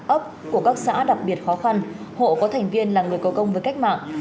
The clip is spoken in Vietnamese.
ốc của các xã đặc biệt khó khăn hộ có thành viên là người cầu công với cách mạng